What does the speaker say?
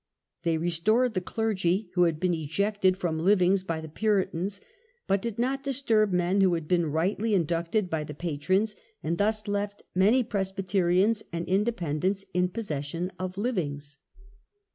They restored the clergy who had been ejected from livings by the Puritans, but did not disturb men who had been rightly inducted by the patrons, and thus left many Pres byterians and Independents in possession of livings.